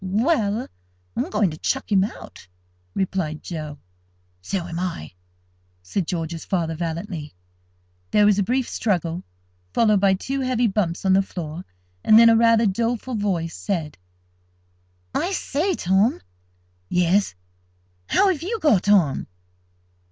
"Well, I'm going to chuck him out," replied Joe. "So am I," said George's father, valiantly. There was a brief struggle, followed by two heavy bumps on the floor, and then a rather doleful voice said: "I say, Tom!" "Yes!" "How have you got on?"